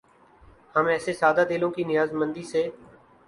ہم ایسے سادہ دلوں کی نیاز مندی سے